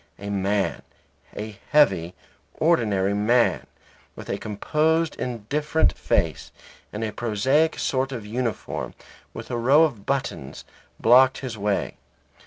A man, a heavy, ordinary man, with a composed indifferent face, and a prosaic sort of uniform, with a row of buttons, blocked his way.